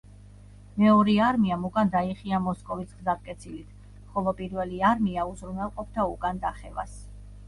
მეორე არმიამ უკან დაიხია მოსკოვის გზატკეცილით, ხოლო პირველი არმია უზრუნველყოფდა უკან დახევას.